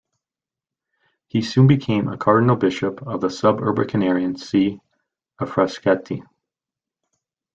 He soon became a Cardinal-Bishop of the suburbicarian see of Frascati.